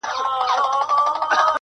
ته چي دومره یې هوښیار نو به وزیر یې!!